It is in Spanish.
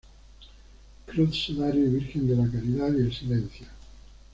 Cruz Sudario y Virgen de la Caridad y el Silencio.